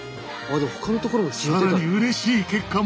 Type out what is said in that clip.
更にうれしい結果も。